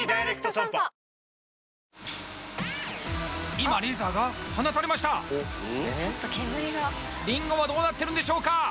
今レーザーが放たれましたりんごはどうなってるんでしょうか？